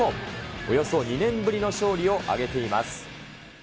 およそ２年ぶりの勝利を挙げています。